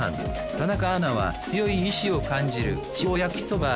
田中アナは強い意志を感じる塩焼きそば。